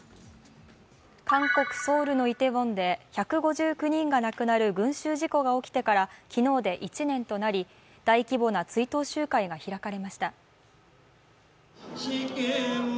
韓国・ソウルのイテウォンで１５９人が亡くなる群集事故が起きてから昨日で１年となり大規模な追悼集会が開かれました。